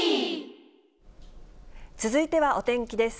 続いてはお天気です。